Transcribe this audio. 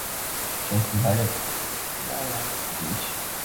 In this case, a certain level of sovereignty is taken away from a country.